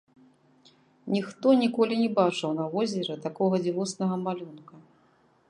Ніхто ніколі не бачыў на возеры такога дзівоснага малюнка.